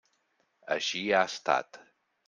Així ha estat.